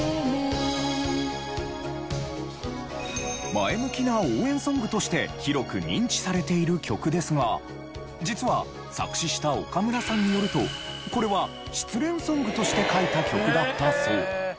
前向きな応援ソングとして広く認知されている曲ですが実は作詞した岡村さんによるとこれは失恋ソングとして書いた曲だったそう。